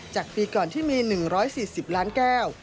จากปีก่อนที่มี๑๔๐ล้านแก้ว